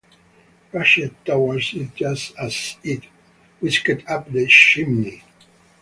Rushed towards it just as it whisked up the chimney.